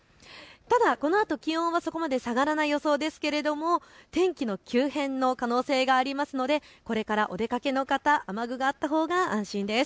ただ、このあと気温はそこまで下がらない予想ですけれども、天気の急変の可能性がありますのでこれからお出かけの方、雨具があったほうが安心です。